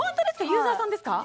ユーザーさんですか？